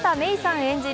演じる